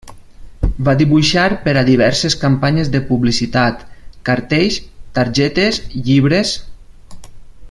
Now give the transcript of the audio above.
Va dibuixar per a diverses campanyes de publicitat, cartells, targetes, llibres.